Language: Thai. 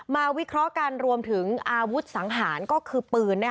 วิเคราะห์กันรวมถึงอาวุธสังหารก็คือปืน